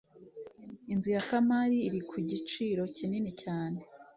Inzu ya Kamali iri kugiciro kinini cyane